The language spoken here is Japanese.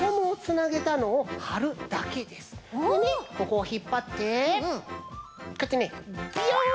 ここをひっぱってこうやってねビヨン！